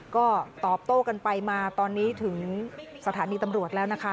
ก็ตอบโต้กันไปมาตอนนี้ถึงสถานีตำรวจแล้วนะคะ